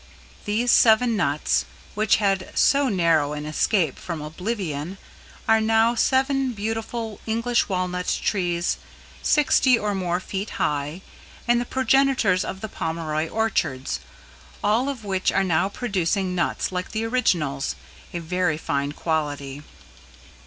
These seven nuts, which had so narrow an escape from oblivion, are now seven beautiful English Walnut trees, sixty or more feet high and the progenitors of the Pomeroy orchards, all of which are now producing nuts like the originals a very fine quality.